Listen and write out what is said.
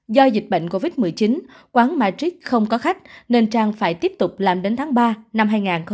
do dịch bệnh covid một mươi chín quán matrick không có khách nên trang phải tiếp tục làm đến tháng ba năm hai nghìn hai mươi